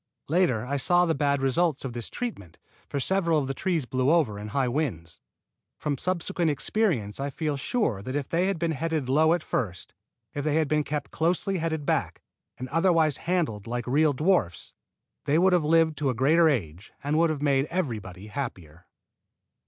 Later I saw the bad results of this treatment, for several of the trees blew over in high winds. From subsequent experience I feel sure that if they had been headed low at first, if they had been kept closely headed back and otherwise handled like real dwarfs, they would have lived to a greater age and would have made everybody happier.